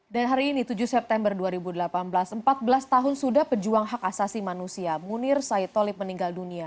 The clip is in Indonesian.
dan hari ini tujuh september dua ribu delapan belas empat belas tahun sudah pejuang hak asasi manusia munir said tolib meninggal dunia